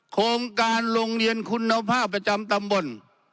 โครงการโรงเรียนคุณภาพประจำตำบล